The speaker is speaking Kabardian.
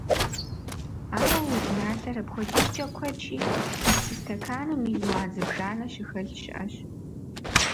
Ауэ удзналъэр апхуэдизкӀэ куэдщи, зы псы стэканым мелуан зыбжанэ щыхэлъ щыӀэщ.